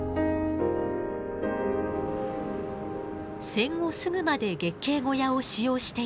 戦後すぐまで月経小屋を使用していた工藤照子さん